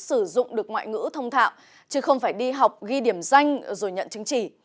sử dụng được ngoại ngữ thông thạo chứ không phải đi học ghi điểm danh rồi nhận chứng chỉ